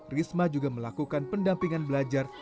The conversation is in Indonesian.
risma juga melakukan pendampingan belajar